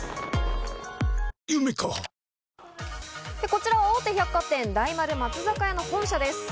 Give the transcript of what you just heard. こちら大手百貨店、大丸松坂屋の本社です。